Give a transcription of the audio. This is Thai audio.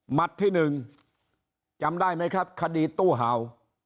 หมัดที่หนึ่งจำได้ไหมครับคดีตู้เหา